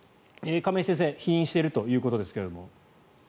亀井先生否認しているということですが。